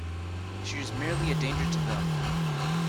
She is merely a danger to them.